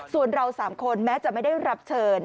ส่วนเรา๓คนแม้จะไม่ได้รับเชิญ